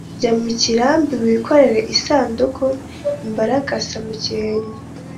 jya mu kirambi wikorere isanduku-imbaragasa mu kirenge.